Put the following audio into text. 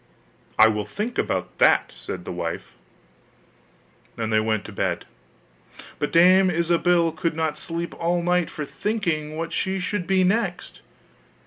'I will think about that,' said the wife. Then they went to bed: but Dame Ilsabill could not sleep all night for thinking what she should be next.